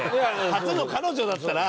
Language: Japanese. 初の彼女だったら。